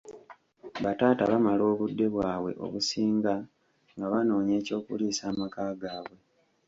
Bataata bamala obudde bwabwe obusinga nga banoonya eky'okuliisa amaka gaabwe.